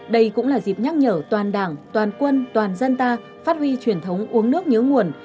đây cũng là dịp nhắc nhở toàn đảng toàn quân toàn dân ta phát huy truyền thống uống nước nhớ nguồn